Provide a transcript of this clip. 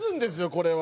これは。